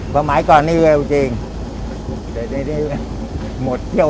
ประหมายก่อนนี้เร็วจริงเดี๋ยวนี้หมดเที่ยวเอฟ